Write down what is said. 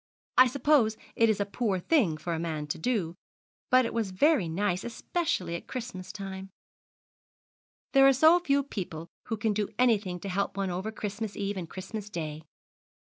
I suppose it is a poor thing for a man to do, but it was very nice, especially at Christmas time. There are so few people who can do anything to help one over Christmas Eve and Christmas Day.